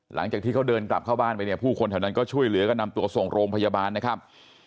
หลังจากที่เขาเดินกลับเข้าบ้านไปเนี่ยผู้คนแถวนั้นก็ช่วยเหลือก็นำตัวส่งโรงพยาบาลนะครับ